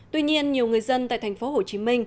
tuy nhiên nhiều người dân tại tp hcm